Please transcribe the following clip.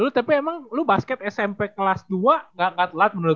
eh lu tapi emang lu basket smp kelas dua gak telat menurut lu